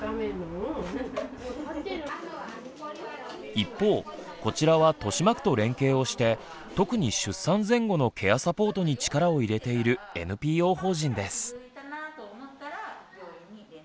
一方こちらは豊島区と連携をして特に出産前後のケアサポートに力を入れているＮＰＯ法人です。